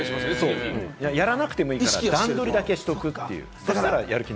やらなくてもいいから段取りだけしておくという。